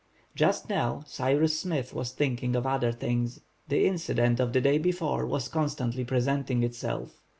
Just now, Cyrus Smith was thinking of other things. The incident of the day before was constantly presenting itself.